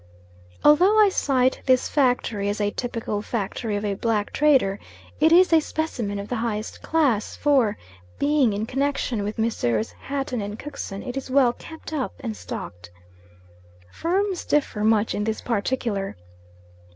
Although I cite this factory as a typical factory of a black trader, it is a specimen of the highest class, for, being in connection with Messrs. Hatton and Cookson it is well kept up and stocked. Firms differ much in this particular.